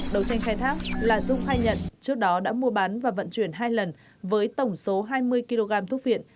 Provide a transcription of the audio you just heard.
đầu tranh khai thác là dung khai nhận trước đó đã mua bán và vận chuyển hai lần với tổng số hai mươi kg thuốc viện